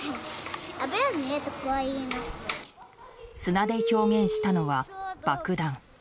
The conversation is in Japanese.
砂で表現したのは、爆弾。